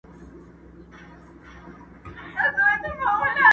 څه به وايي دا مخلوق او عالمونه؟!.